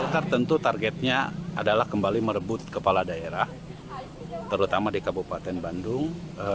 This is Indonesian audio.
tertentu targetnya adalah kembali merebut kepala daerah terutama di kabupaten bandung